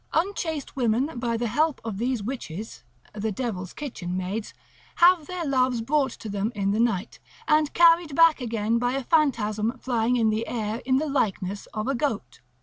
Unchaste women by the help of these witches, the devil's kitchen maids, have their loves brought to them in the night, and carried back again by a phantasm flying in the air in the likeness of a goat.